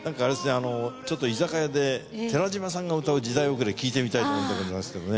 あのちょっと居酒屋で寺島さんが歌う『時代おくれ』聴いてみたいと思うんでございますけどね。